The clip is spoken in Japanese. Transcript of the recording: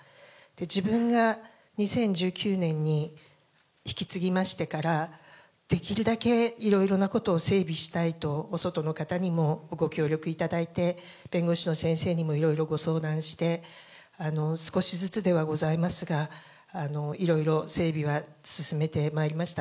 自分が２０１９年に引き継ぎましてから、できるだけいろいろなことを整備したいと、外の方にもご協力いただいて、弁護士の先生にもいろいろご相談して、少しずつではございますが、いろいろ整備は進めてまいりました。